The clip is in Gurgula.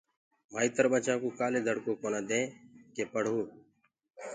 مآئيتر ٻچآن ڪو ڪآلي دڙڪو ڪونآ دين ڪي پڙهو